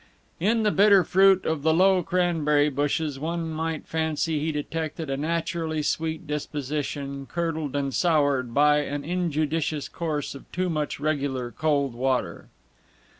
In the bitter fruit of the low cranberry bushes one might fancy he detected a naturally sweet disposition curdled and soured by an injudicious course of too much regular cold water.